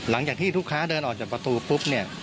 หลังจากที่ลูกค้าเดินออกจากประตูปุ๊บเนี่ย